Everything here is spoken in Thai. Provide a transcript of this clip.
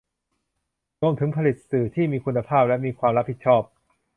รวมถึงผลิตสื่อที่มีคุณภาพและมีความรับผิดชอบ